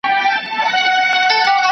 ¬ خيرات پر باچا لا روا دئ.